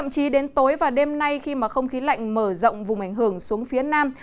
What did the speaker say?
chỉ đến tối và đêm nay khi mà không khí lạnh mở rộng vùng ảnh hưởng xuống phía nam